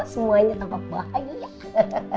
semuanya tampak bahagia